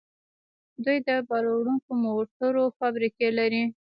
دوی د بار وړونکو موټرو فابریکې لري.